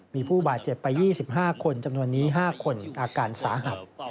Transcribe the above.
มีผู้บาดเจ็บไป๒๕คนจำนวนนี้๕คนอาการสาหัส